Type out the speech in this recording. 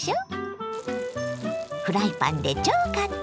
フライパンで超簡単！